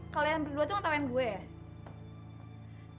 kalian berdua tuh ngetawain gue ya